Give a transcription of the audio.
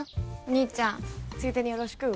兄ちゃんついでによろしく。ＯＫ。